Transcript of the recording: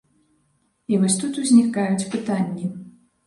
І вось тут узнікаюць пытанні.